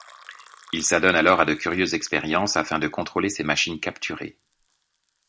Ils s'adonnent alors à de curieuses expériences afin de contrôler ces machines capturées.